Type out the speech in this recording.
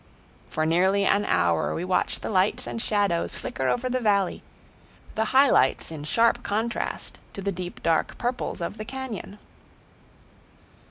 For nearly an hour we watch the lights and shadows flicker over the valley, the high lights in sharp contrast to the deep dark purples of the cañon.